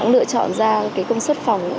lựa chọn ra công suất phòng